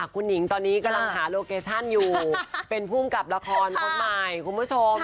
คุณหนิงตอนนี้กำลังหาโลเคชั่นอยู่เป็นภูมิกับละครคนใหม่คุณผู้ชม